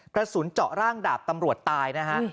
กระสุนเจาะร่างดาบตำรวจตายนะฮะ